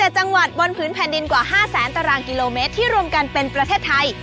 ๗จังหวัดบนพื้นแผ่นดินกว่า๕แสนตารางกิโลเมตรที่รวมกันเป็นประเทศไทย